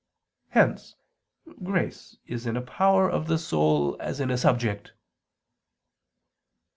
Hence grace is in a power of the soul, as in a subject.